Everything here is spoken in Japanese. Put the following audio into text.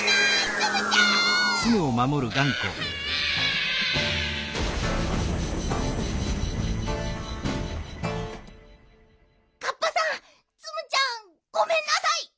ツムちゃんごめんなさい！